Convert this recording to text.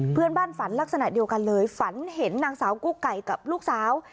ฝันลักษณะเดียวกันเลยฝันเห็นนางสาวกุ๊กไก่กับลูกสาว